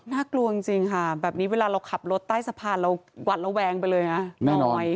น่ากลัวจริงค่ะเวลาเราขับรถใต้สะพานวัดเราแวงไปเลยนะ